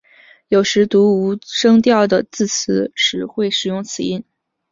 有时读无声调的字词时会使用到此音。